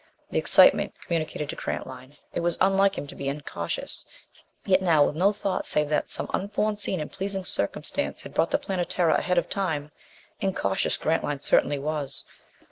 The excitement communicated to Grantline. It was unlike him to be incautious; yet now with no thought save that some unforeseen and pleasing circumstance had brought the Planetara ahead of time; incautious, Grantline certainly was!